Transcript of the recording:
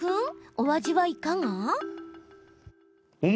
お味はいかが？